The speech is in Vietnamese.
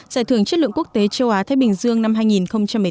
giải thưởng chất lượng quốc tế châu á thái bình dương năm hai nghìn một mươi tám